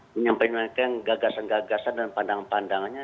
menyampaikan gagasan gagasan dan pandangan pandangannya